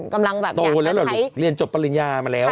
กำลังอยากใช้โตแล้วหรอเรียนจบปริญญามาแล้ว